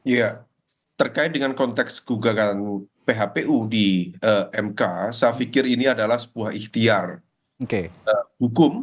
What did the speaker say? ya terkait dengan konteks gugatan phpu di mk saya pikir ini adalah sebuah ikhtiar hukum